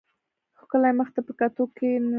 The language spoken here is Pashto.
ښکلي مخ ته په کتو کښې ګناه نشته.